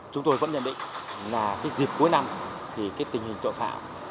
chúng tôi vẫn nhận định là cái dịp cuối năm thì cái tình hình tội phạm